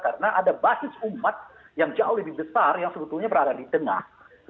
karena ada basis umat yang jauh lebih besar yang sebetulnya berada di tengah